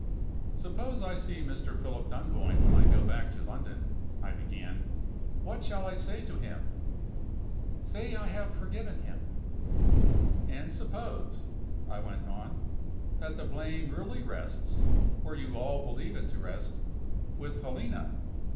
"Suppose I see Mr. Philip Dunboyne when I go back to London," I began, "what shall I say to him?" "Say I have forgiven him." "And suppose," I went on, "that the blame really rests, where you all believe it to rest, with Helena.